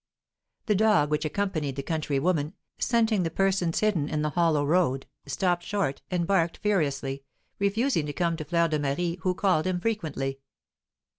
The dog which accompanied the country woman, scenting the persons hidden in the hollow road, stopped short, and barked furiously, refusing to come to Fleur de Marie, who called him frequently.